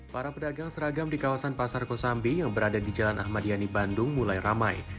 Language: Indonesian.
para pedagang seragam di kawasan pasar kosambi yang berada di jalan ahmad yani bandung mulai ramai